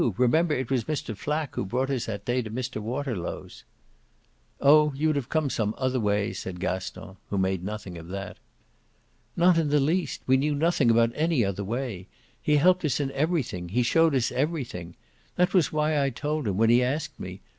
Remember it was Mr. Flack who brought us that day to Mr. Waterlow's." "Oh you'd have come some other way," said Gaston, who made nothing of that. "Not in the least. We knew nothing about any other way. He helped us in everything he showed us everything. That was why I told him when he asked me.